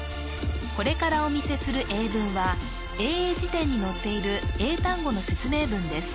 これからお見せする英文は英英辞典に載っている英単語の説明文です